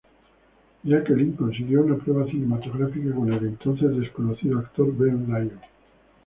Jacqueline consiguió una prueba cinematográfica con el entonces desconocido actor Ben Lyon.